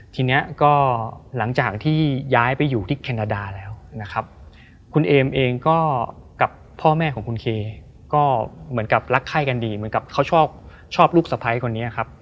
ทีนี้ก็หลังจากที่ย้ายไปอยู่ที่แคนาดาแล้วนะครับคุณเอมเองก็กับพ่อแม่ของคุณเคก็เหมือนกับรักไข้กันดีเหมือนกับเขาชอบลูกสะพ้ายคนนี้ครับ